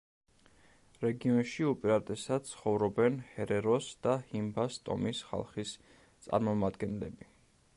რეგიონში უპირატესად ცხოვრობენ ჰერეროს და ჰიმბას ტომის ხალხის წარმომადგენლები.